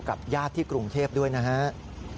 กับญาติที่กรุงเทพด้วยนะครับ